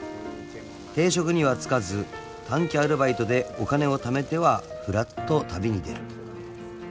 ［定職には就かず短期アルバイトでお金をためてはふらっと旅に出る］